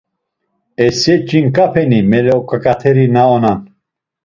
Esse ç̌inǩapeni mele oǩoǩateri na onan?